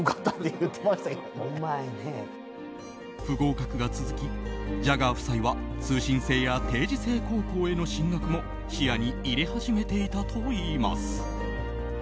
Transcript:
不合格が続き、ジャガー夫妻は通信制や定時制高校への進学も視野に入れ始めていたといいます。